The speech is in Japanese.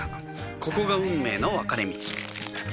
ここが運命の分かれ道